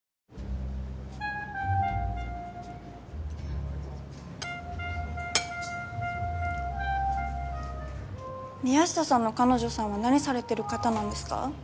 乳酸菌宮下さんの彼女さんは何されてる方なんですか？